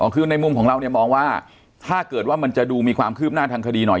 คือในมุมของเราเนี่ยมองว่าถ้าเกิดว่ามันจะดูมีความคืบหน้าทางคดีหน่อย